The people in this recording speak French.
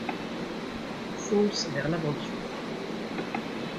... fonce vers l’aventure.